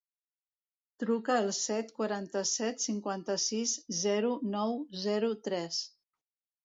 Truca al set, quaranta-set, cinquanta-sis, zero, nou, zero, tres.